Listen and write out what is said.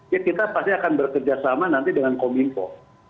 ya kita pasti akan bekerja sama nanti dengan kominfo